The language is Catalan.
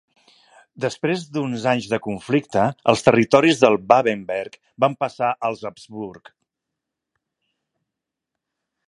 Després d'uns anys de conflicte els territoris dels Babenberg van passar als Habsburg.